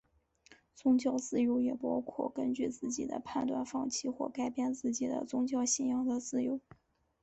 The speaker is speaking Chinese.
宗教自由也包括根据自己的判断放弃或改变自己的宗教信仰的自由。